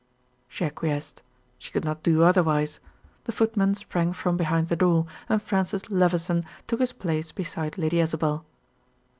She acquiesced. She could not do otherwise. The footman sprang from behind the door, and Francis Levison took his place beside Lady Isabel.